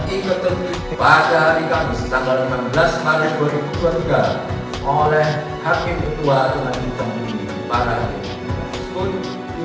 ikut pada hari kamis tanggal sembilan belas maret dua ribu dua puluh tiga oleh hakim ketua teman teman ini